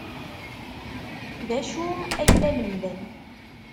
D acu ay la lemmden?